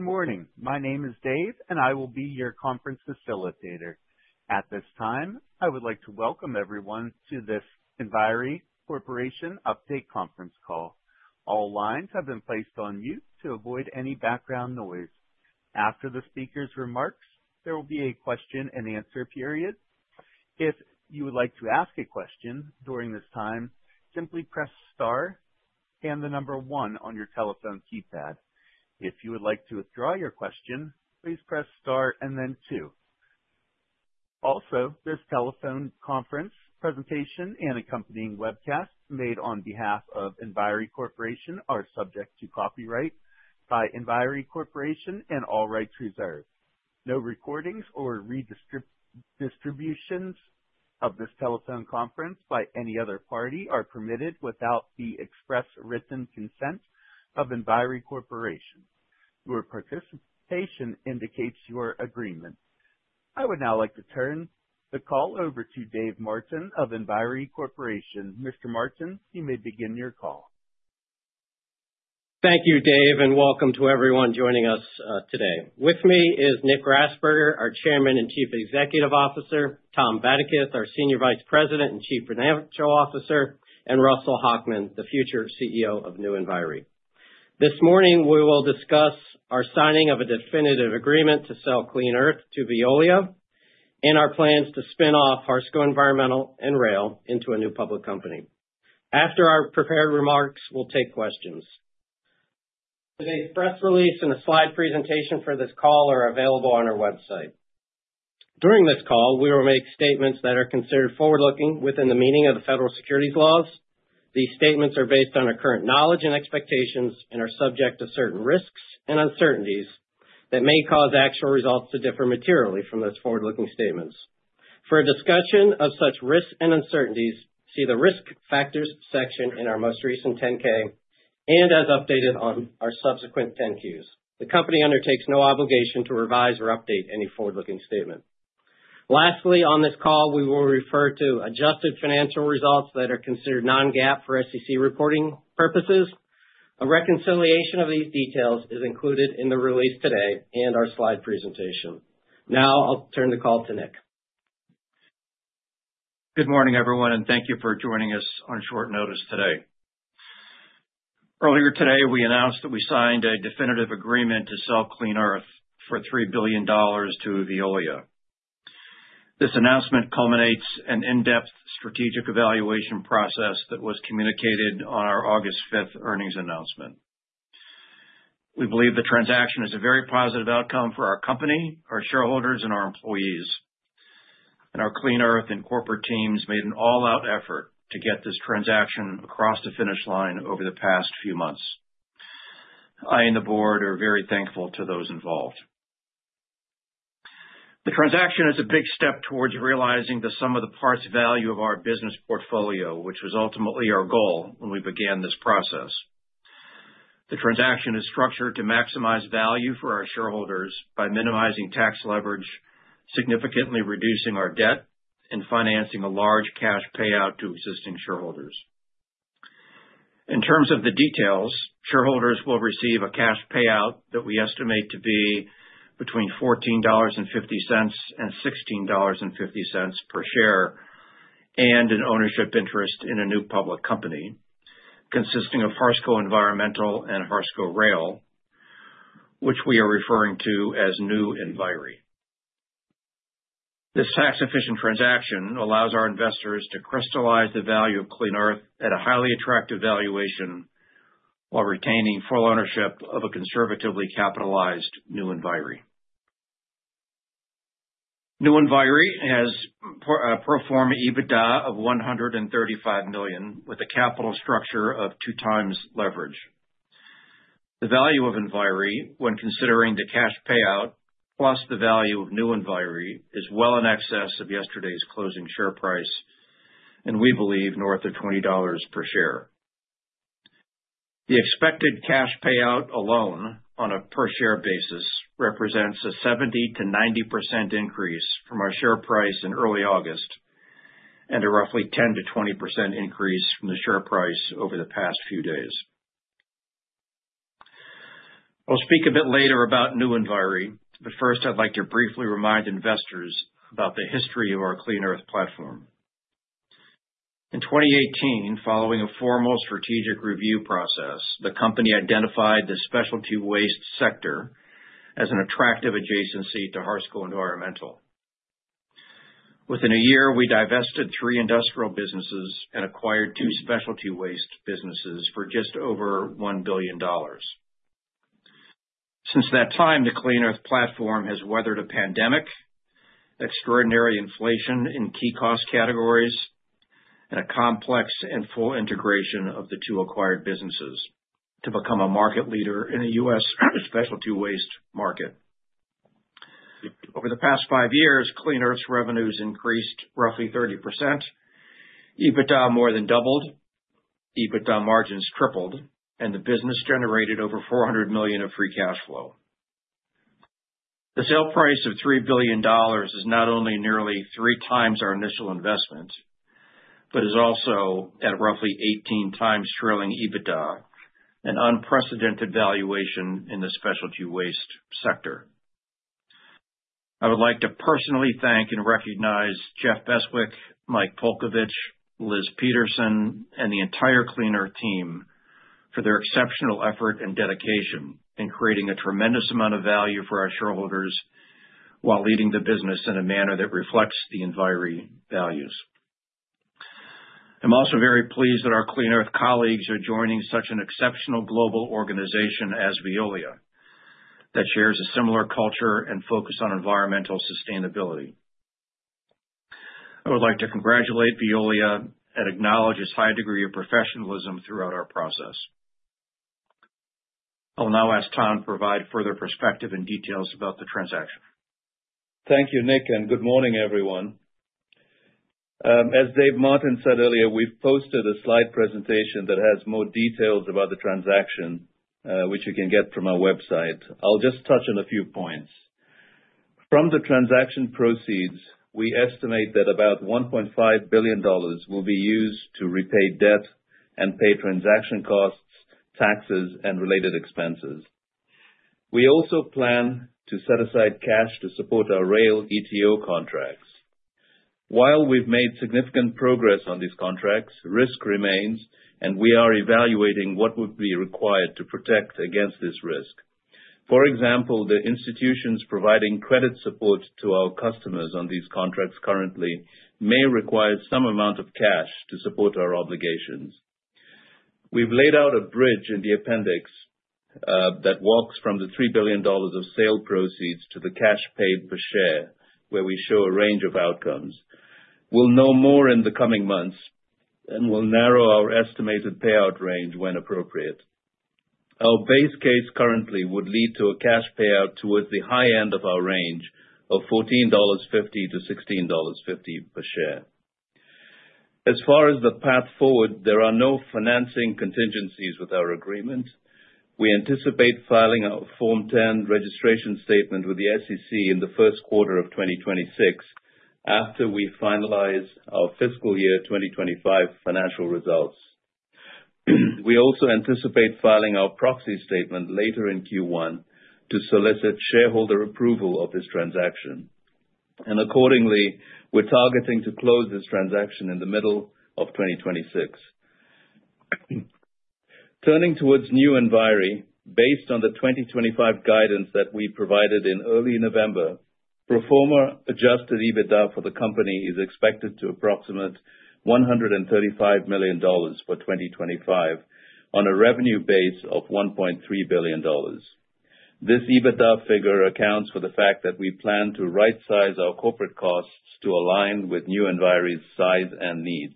Good morning. My name is Dave, and I will be your conference facilitator. At this time, I would like to welcome everyone to this Enviri Corporation Update conference call. All lines have been placed on mute to avoid any background noise. After the speaker's remarks, there will be a question-and-answer period. If you would like to ask a question during this time, simply press star and the number one on your telephone keypad. If you would like to withdraw your question, please press star and then two. Also, this telephone conference presentation and accompanying webcast made on behalf of Enviri Corporation are subject to copyright by Enviri Corporation and all rights reserved. No recordings or redistributions of this telephone conference by any other party are permitted without the express written consent of Enviri Corporation. Your participation indicates your agreement. I would now like to turn the call over to David Martin of Enviri Corporation. Mr. Martin, you may begin your call. Thank you, Dave, and welcome to everyone joining us today. With me is Nicholas Grasberger, our Chairman and Chief Executive Officer; Tom Vadaketh, our Senior Vice President and Chief Financial Officer; and Russell Hochman, the future CEO of New Enviri. This morning, we will discuss our signing of a definitive agreement to sell Clean Earth to Veolia and our plans to spin off Harsco Environmental and Rail into a new public company. After our prepared remarks, we'll take questions. Today's press release and a slide presentation for this call are available on our website. During this call, we will make statements that are considered forward-looking within the meaning of the federal securities laws. These statements are based on our current knowledge and expectations and are subject to certain risks and uncertainties that may cause actual results to differ materially from those forward-looking statements. For a discussion of such risks and uncertainties, see the Risk Factors section in our most recent 10-K and as updated on our subsequent 10-Qs. The company undertakes no obligation to revise or update any forward-looking statement. Lastly, on this call, we will refer to adjusted financial results that are considered non-GAAP for SEC reporting purposes. A reconciliation of these details is included in the release today and our slide presentation. Now, I'll turn the call to Nick. Good morning, everyone, and thank you for joining us on short notice today. Earlier today, we announced that we signed a definitive agreement to sell Clean Earth for $3 billion to Veolia. This announcement culminates an in-depth strategic evaluation process that was communicated on our August 5th earnings announcement. We believe the transaction is a very positive outcome for our company, our shareholders, and our employees. Our Clean Earth and corporate teams made an all-out effort to get this transaction across the finish line over the past few months. I and the board are very thankful to those involved. The transaction is a big step towards realizing the sum of the parts value of our business portfolio, which was ultimately our goal when we began this process. The transaction is structured to maximize value for our shareholders by minimizing tax leverage, significantly reducing our debt, and financing a large cash payout to existing shareholders. In terms of the details, shareholders will receive a cash payout that we estimate to be between $14.50 and $16.50 per share and an ownership interest in a new public company consisting of Harsco Environmental and Harsco Rail, which we are referring to as New Enviri. This tax-efficient transaction allows our investors to crystallize the value of Clean Earth at a highly attractive valuation while retaining full ownership of a conservatively capitalized New Enviri. New Enviri has a pro forma EBITDA of $135 million with a capital structure of two times leverage. The value of Enviri, when considering the cash payout plus the value of New Enviri, is well in excess of yesterday's closing share price, and we believe north of $20 per share. The expected cash payout alone on a per-share basis represents a 70% too 90% increase from our share price in early August and a roughly 10% to 20% increase from the share price over the past few days. I'll speak a bit later about New Enviri, but first, I'd like to briefly remind investors about the history of our Clean Earth platform. In 2018, following a formal strategic review process, the company identified the specialty waste sector as an attractive adjacency to Harsco Environmental. Within a year, we divested three industrial businesses and acquired two specialty waste businesses for just over $1 billion. Since that time, the Clean Earth platform has weathered a pandemic, extraordinary inflation in key cost categories, and a complex and full integration of the two acquired businesses to become a market leader in the U.S. specialty waste market. Over the past five years, Clean Earth's revenues increased roughly 30%, EBITDA more than doubled, EBITDA margins tripled, and the business generated over $400 million of free cash flow. The sale price of $3 billion is not only nearly three times our initial investment but is also at a roughly 18 times trailing EBITDA, an unprecedented valuation in the specialty waste sector. I would like to personally thank and recognize Jeff Beswick, Michael Polkovich, Elizabeth Peterson, and the entire Clean Earth team for their exceptional effort and dedication in creating a tremendous amount of value for our shareholders while leading the business in a manner that reflects the Enviri values. I'm also very pleased that our Clean Earth colleagues are joining such an exceptional global organization as Veolia that shares a similar culture and focus on environmental sustainability. I would like to congratulate Veolia and acknowledge its high degree of professionalism throughout our process. I'll now ask Tom to provide further perspective and details about the transaction. Thank you, Nick, and good morning, everyone. As David Martin said earlier, we've posted a slide presentation that has more details about the transaction, which you can get from our website. I'll just touch on a few points. From the transaction proceeds, we estimate that about $1.5 billion will be used to repay debt and pay transaction costs, taxes, and related expenses. We also plan to set aside cash to support our rail ETO contracts. While we've made significant progress on these contracts, risk remains, and we are evaluating what would be required to protect against this risk. For example, the institutions providing credit support to our customers on these contracts currently may require some amount of cash to support our obligations. We've laid out a bridge in the appendix that walks from the $3 billion of sale proceeds to the cash paid per share, where we show a range of outcomes. We'll know more in the coming months and will narrow our estimated payout range when appropriate. Our base case currently would lead to a cash payout towards the high end of our range of $14.50-$16.50 per share. As far as the path forward, there are no financing contingencies with our agreement. We anticipate filing our Form 10 registration statement with the SEC in the first quarter of 2026 after we finalize our fiscal year 2025 financial results. We also anticipate filing our proxy statement later in Q1 to solicit shareholder approval of this transaction. Accordingly, we're targeting to close this transaction in the middle of 2026. Turning towards New Enviri, based on the 2025 guidance that we provided in early November, pro forma adjusted EBITDA for the company is expected to approximate $135 million for 2025 on a revenue base of $1.3 billion. This EBITDA figure accounts for the fact that we plan to right-size our corporate costs to align with New Enviri's size and needs.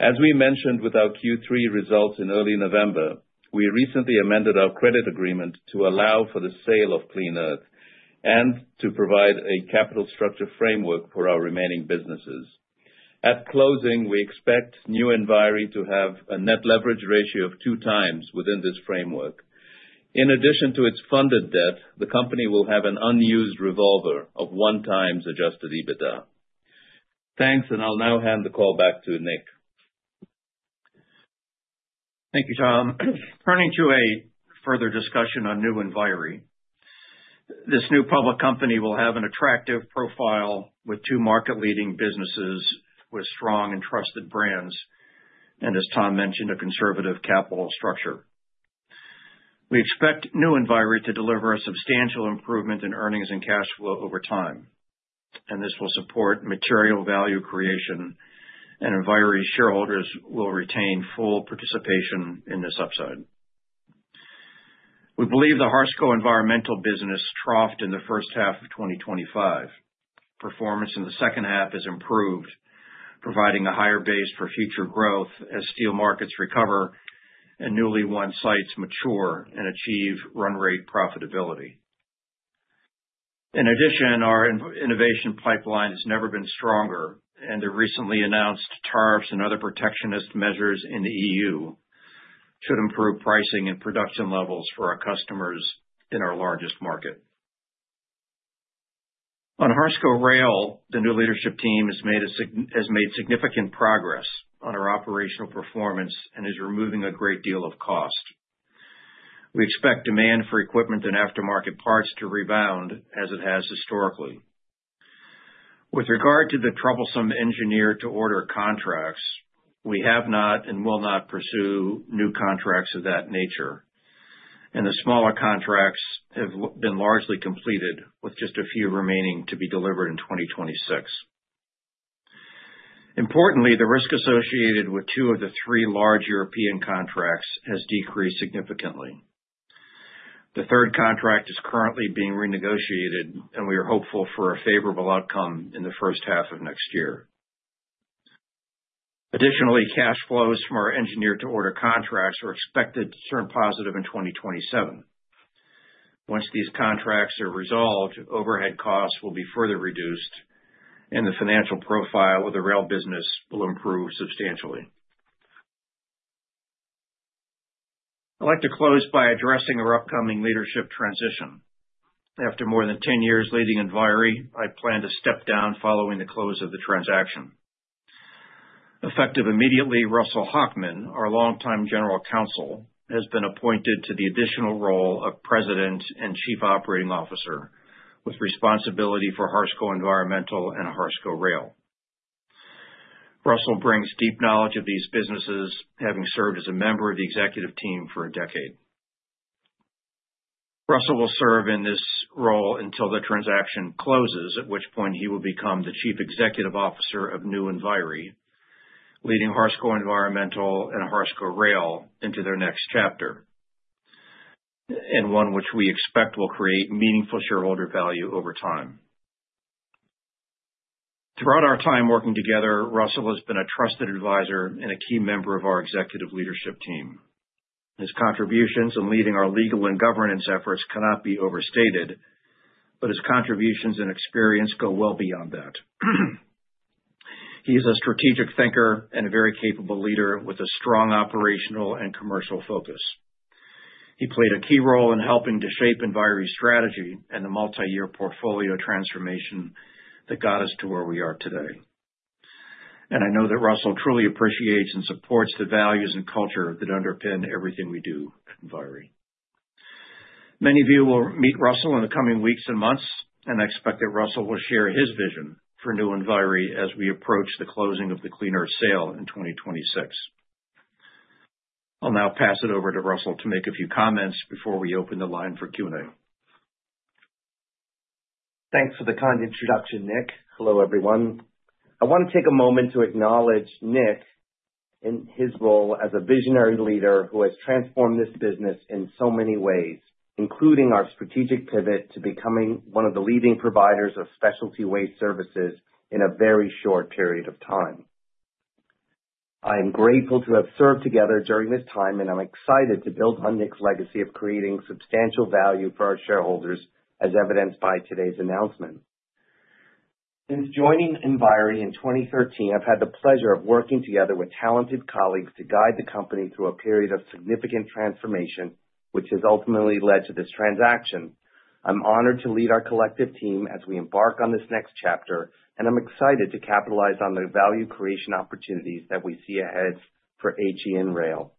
As we mentioned with our Q3 results in early November, we recently amended our credit agreement to allow for the sale of Clean Earth and to provide a capital structure framework for our remaining businesses. At closing, we expect New Enviri to have a net leverage ratio of two times within this framework. In addition to its funded debt, the company will have an unused revolver of one times adjusted EBITDA. Thanks, and I'll now hand the call back to Nick. Thank you, Tom. Turning to a further discussion on New Enviri, this new public company will have an attractive profile with two market-leading businesses with strong and trusted brands and, as Tom mentioned, a conservative capital structure. We expect New Enviri to deliver a substantial improvement in earnings and cash flow over time, and this will support material value creation, and Enviri shareholders will retain full participation in this upside. We believe the Harsco Environmental business troughed in the first half of 2025. Performance in the second half has improved, providing a higher base for future growth as steel markets recover and newly won sites mature and achieve run rate profitability. In addition, our innovation pipeline has never been stronger, and the recently announced tariffs and other protectionist measures in the EU should improve pricing and production levels for our customers in our largest market. On Harsco Rail, the new leadership team has made significant progress on our operational performance and is removing a great deal of cost. We expect demand for equipment and aftermarket parts to rebound as it has historically. With regard to the troublesome engineer-to-order contracts, we have not and will not pursue new contracts of that nature, and the smaller contracts have been largely completed, with just a few remaining to be delivered in 2026. Importantly, the risk associated with two of the three large European contracts has decreased significantly. The third contract is currently being renegotiated, and we are hopeful for a favorable outcome in the first half of next year. Additionally, cash flows from our engineer-to-order contracts are expected to turn positive in 2027. Once these contracts are resolved, overhead costs will be further reduced, and the financial profile of the rail business will improve substantially. I'd like to close by addressing our upcoming leadership transition. After more than 10 years leading Enviri, I plan to step down following the close of the transaction. Effective immediately, Russell Hochman, our longtime General Counsel, has been appointed to the additional role of President and Chief Operating Officer with responsibility for Harsco Environmental and Harsco Rail. Russell brings deep knowledge of these businesses, having served as a member of the executive team for a decade. Russell will serve in this role until the transaction closes, at which point he will become the Chief Executive Officer of New Enviri, leading Harsco Environmental and Harsco Rail into their next chapter, and one which we expect will create meaningful shareholder value over time. Throughout our time working together, Russell has been a trusted advisor and a key member of our executive leadership team. His contributions in leading our legal and governance efforts cannot be overstated, but his contributions and experience go well beyond that. He is a strategic thinker and a very capable leader with a strong operational and commercial focus. He played a key role in helping to shape Enviri's strategy and the multi-year portfolio transformation that got us to where we are today. I know that Russell truly appreciates and supports the values and culture that underpin everything we do at Enviri. Many of you will meet Russell in the coming weeks and months, and I expect that Russell will share his vision for New Enviri as we approach the closing of the Clean Earth sale in 2026. I'll now pass it over to Russell to make a few comments before we open the line for Q&A. Thanks for the kind introduction, Nick. Hello, everyone. I want to take a moment to acknowledge Nick and his role as a visionary leader who has transformed this business in so many ways, including our strategic pivot to becoming one of the leading providers of specialty waste services in a very short period of time. I am grateful to have served together during this time, and I'm excited to build on Nick's legacy of creating substantial value for our shareholders, as evidenced by today's announcement. Since joining Enviri in 2013, I've had the pleasure of working together with talented colleagues to guide the company through a period of significant transformation, which has ultimately led to this transaction. I'm honored to lead our collective team as we embark on this next chapter, and I'm excited to capitalize on the value creation opportunities that we see ahead for Harsco Environmental and Harsco Rail.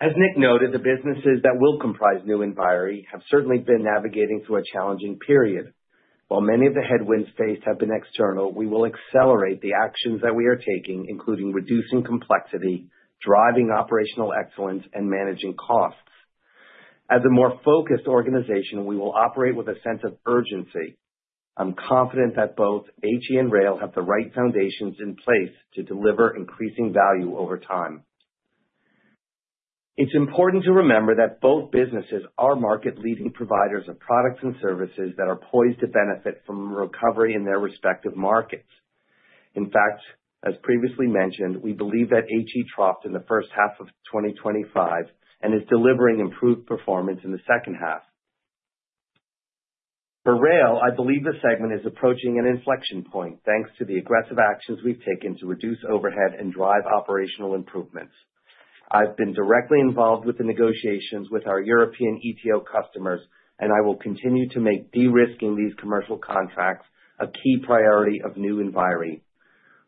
As Nick noted, the businesses that will comprise New Enviri have certainly been navigating through a challenging period. While many of the headwinds faced have been external, we will accelerate the actions that we are taking, including reducing complexity, driving operational excellence, and managing costs. As a more focused organization, we will operate with a sense of urgency. I'm confident that both HE and Rail have the right foundations in place to deliver increasing value over time. It's important to remember that both businesses are market-leading providers of products and services that are poised to benefit from recovery in their respective markets. In fact, as previously mentioned, we believe that HE troughed in the first half of 2025 and is delivering improved performance in the second half. For Harsco Rail, I believe the segment is approaching an inflection point thanks to the aggressive actions we've taken to reduce overhead and drive operational improvements. I've been directly involved with the negotiations with our European ETO customers, and I will continue to make de-risking these commercial contracts a key priority of New Enviri.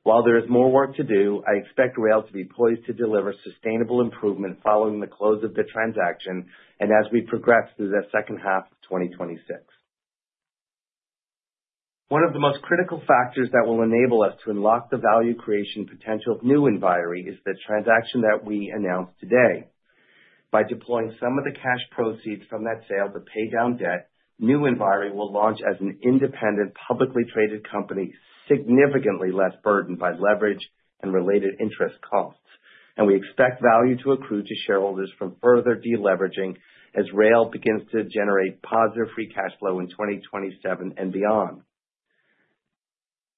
While there is more work to do, I expect Harsco Rail to be poised to deliver sustainable improvement following the close of the transaction and as we progress through the second half of 2026. One of the most critical factors that will enable us to unlock the value creation potential of New Enviri is the transaction that we announced today. By deploying some of the cash proceeds from that sale to pay down debt, New Enviri will launch as an independent publicly traded company, significantly less burdened by leverage and related interest costs. We expect value to accrue to shareholders from further deleveraging as Harsco Rail begins to generate positive free cash flow in 2027 and beyond.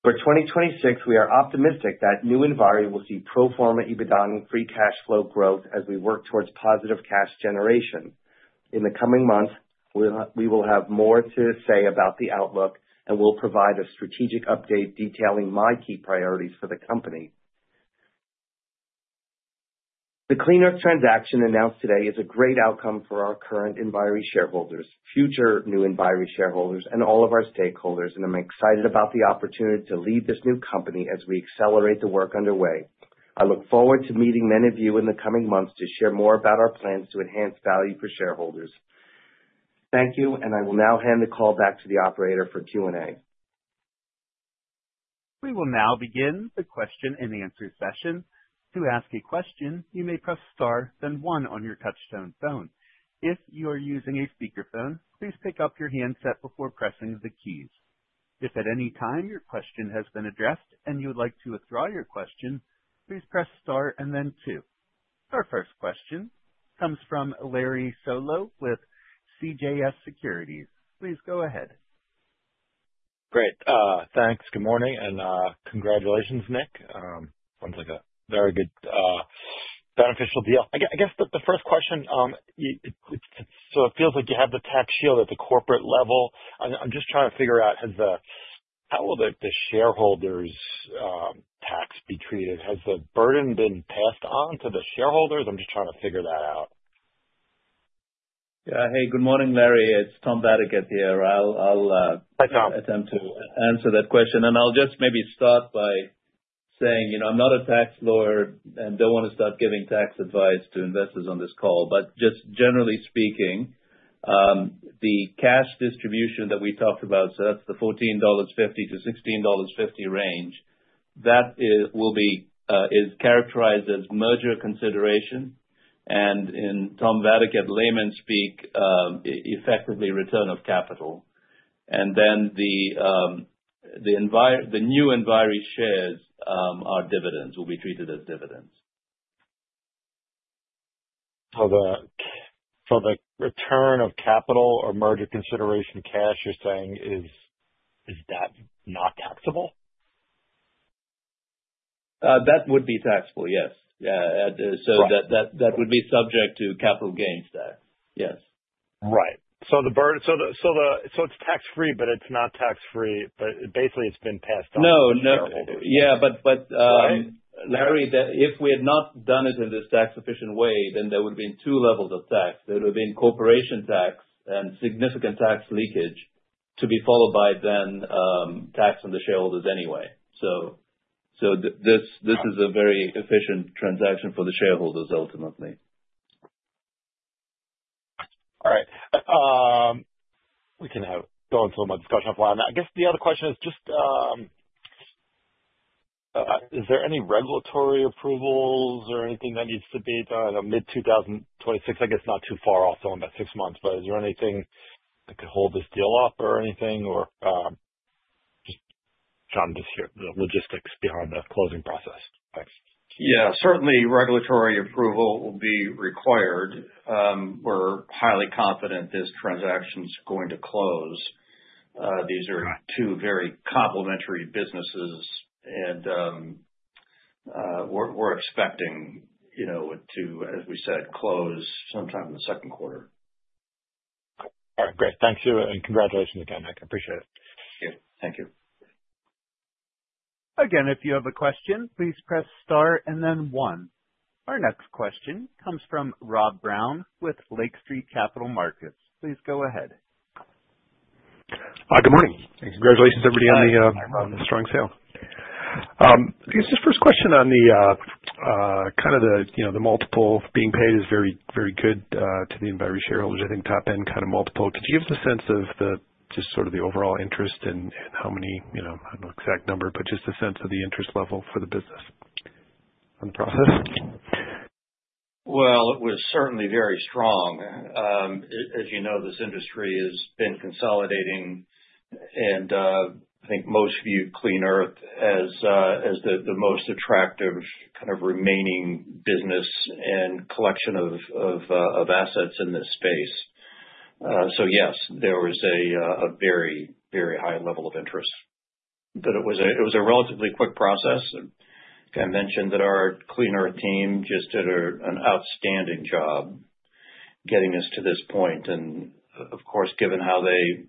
For 2026, we are optimistic that New Enviri will see pro forma EBITDA and free cash flow growth as we work towards positive cash generation. In the coming months, we will have more to say about the outlook, and we'll provide a strategic update detailing my key priorities for the company. The Clean Earth transaction announced today is a great outcome for our current Enviri shareholders, future New Enviri shareholders, and all of our stakeholders, and I'm excited about the opportunity to lead this new company as we accelerate the work underway. I look forward to meeting many of you in the coming months to share more about our plans to enhance value for shareholders. Thank you, and I will now hand the call back to the operator for Q&A. We will now begin the question and answer session. To ask a question, you may press star, then ons on your touch-tone phone. If you are using a speakerphone, please pick up your handset before pressing the keys. If at any time your question has been addressed and you would like to withdraw your question, please press Star and then two. Our first question comes from Larry Solow with CJS Securities. Please go ahead. Great. Thanks. Good morning and congratulations, Nick. Sounds like a very good, beneficial deal. I guess the first question, it feels like you have the tax shield at the corporate level. I'm just trying to figure out how will the shareholders' tax be treated? Has the burden been passed on to the shareholders? I'm just trying to figure that out. Yeah. Hey, good morning, Larry. It's Tom Vadaketh here. I'll. Hi, Tom. Attempt to answer that question. I'll just maybe start by saying I'm not a tax lawyer and don't want to start giving tax advice to investors on this call. Just generally speaking, the cash distribution that we talked about, so that's the $14.50-$16.50 range, that is characterized as merger consideration. In Tom Vadaketh layman's speak, effectively return of capital. The new Enviri shares, or dividends, will be treated as dividends. The return of capital or merger consideration cash, you're saying, is that not taxable? That would be taxable, yes. That would be subject to capital gains tax. Yes. Right. So it's tax-free, but it's not tax-free. Basically, it's been passed on to shareholders. No, no. Yeah. Larry, if we had not done it in this tax-efficient way, there would have been two levels of tax. There would have been corporation tax and significant tax leakage to be followed by tax on the shareholders anyway. This is a very efficient transaction for the shareholders, ultimately. All right. We can go into a discussion of why. I guess the other question is just, is there any regulatory approvals or anything that needs to be done mid-2026? I guess not too far off, someone that six months, but is there anything that could hold this deal up or anything? Just trying to just hear the logistics behind the closing process. Thanks. Yeah. Certainly, regulatory approval will be required. We're highly confident this transaction is going to close. These are two very complementary businesses, and we're expecting to, as we said, close sometime in the second quarter. All right. Great. Thanks to you. And congratulations again. I appreciate it. Thank you. Again, if you have a question, please press star and then one. Our next question comes from Robert Brown with Lake Street Capital Markets. Please go ahead. Good morning. Congratulations everybody on the strong sale. This first question on kind of the multiple being paid is very good to the Enviri shareholders. I think top-end kind of multiple. Could you give us a sense of just sort of the overall interest and how many? I do not know the exact number, but just a sense of the interest level for the business on the process? It was certainly very strong. As you know, this industry has been consolidating, and I think most view Clean Earth as the most attractive kind of remaining business and collection of assets in this space. Yes, there was a very, very high level of interest. It was a relatively quick process. I mentioned that our Clean Earth team just did an outstanding job getting us to this point. Of course, given how they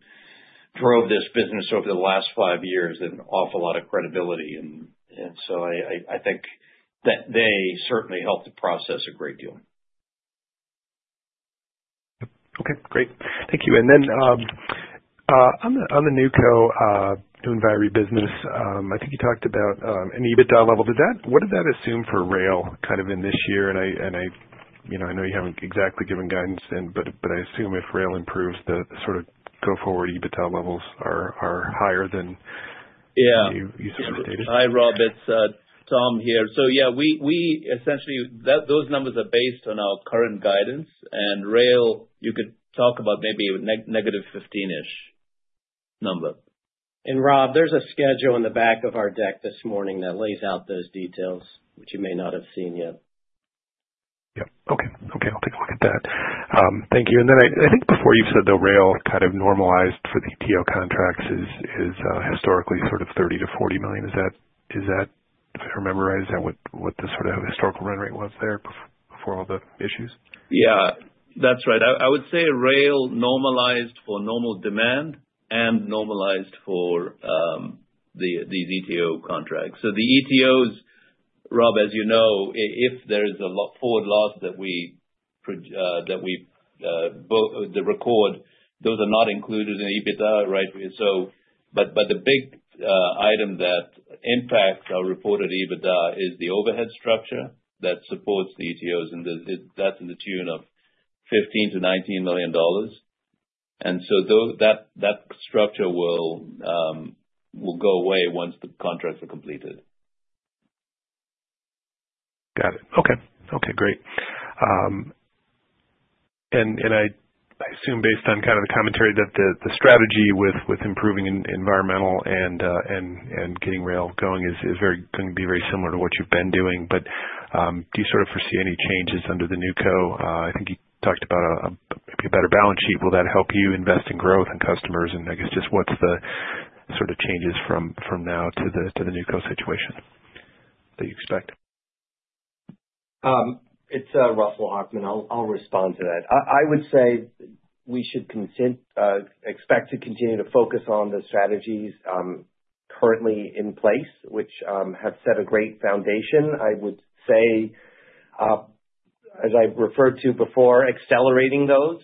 drove this business over the last five years, an awful lot of credibility. I think that they certainly helped the process a great deal. Okay. Great. Thank you. Then on the new co-own Enviri business, I think you talked about an EBITDA level. What did that assume for Harsco Rail kind of in this year? I know you have not exactly given guidance, but I assume if Harsco Rail improves, the sort of go-forward EBITDA levels are higher than you sort of stated. Yeah. Hi, Rob. It's Tom here. Yeah, essentially, those numbers are based on our current guidance. Harsco Rail, you could talk about maybe a negative 15-ish number. Rob, there's a schedule in the back of our deck this morning that lays out those details, which you may not have seen yet. Yep. Okay. Okay. I'll take a look at that. Thank you. I think before you said the Harsco Rail kind of normalized for the ETO contracts is historically sort of $30 million-$40 million. Is that, if I remember right, is that what the sort of historical run rate was there before all the issues? Yeah. That's right. I would say Harsco Rail normalized for normal demand and normalized for these ETO contracts. The ETOs, Rob, as you know, if there is a forward loss that we record, those are not included in EBITDA, right? The big item that impacts our reported EBITDA is the overhead structure that supports the ETOs. That's in the tune of $15 million-$19 million. That structure will go away once the contracts are completed. Got it. Okay. Great. I assume, based on kind of the commentary, that the strategy with improving environmental and getting Harsco Rail going is going to be very similar to what you've been doing. Do you sort of foresee any changes under the new co? I think you talked about maybe a better balance sheet. Will that help you invest in growth and customers? I guess just what's the sort of changes from now to the new co situation that you expect? It's Russell Hochman. I'll respond to that. I would say we should expect to continue to focus on the strategies currently in place, which have set a great foundation. I would say, as I referred to before, accelerating those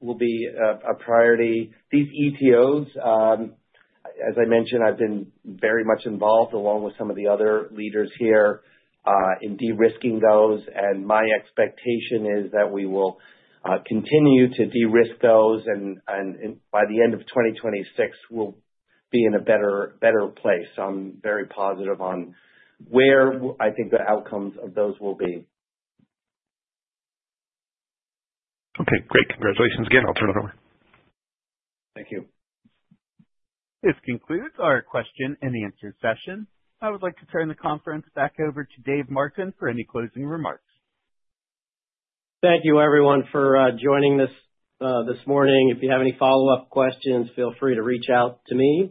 will be a priority. These ETOs, as I mentioned, I've been very much involved along with some of the other leaders here in de-risking those. My expectation is that we will continue to de-risk those. By the end of 2026, we'll be in a better place. I'm very positive on where I think the outcomes of those will be. Okay. Great. Congratulations again. I'll turn it over. Thank you. This concludes our question and answer session. I would like to turn the conference back over to David Martin for any closing remarks. Thank you, everyone, for joining this morning. If you have any follow-up questions, feel free to reach out to me.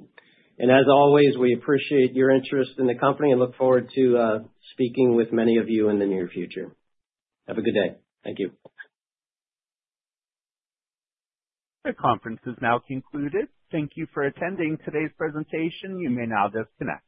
As always, we appreciate your interest in the company and look forward to speaking with many of you in the near future. Have a good day. Thank you. The conference is now concluded. Thank you for attending today's presentation. You may now disconnect.